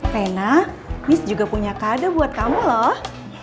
rena miss juga punya kado buat kamu loh